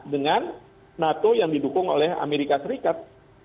dengan nato yang didukung oleh amerika serikat